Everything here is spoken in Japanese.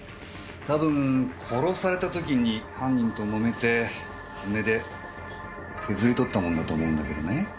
たぶん殺された時に犯人と揉めて爪で削り取ったもんだと思うんだけどね。